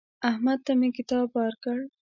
احمد ته مې کتاب ورکړ.